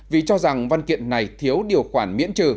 vì cho rằng văn kiện này thiếu điều khoản miễn trừ